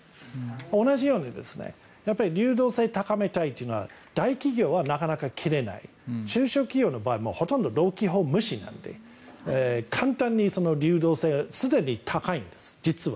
同じように流動性を高めたいというのは大企業はなかなか切れない中小企業の場合もほとんど労基法無視なので流動性、すでに高いんです実は。